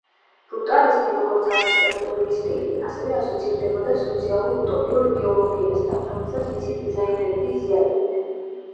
ბრუტალიზმი, როგორც არქიტექტურული სტილი, ასევე ასოცირდებოდა სოციალურ უტოპიურ იდეოლოგიასთან, რომელსაც მისი დიზაინერები იზიარებდნენ.